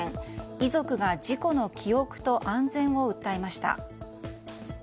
遺族が事故の記憶と安全を訴えました。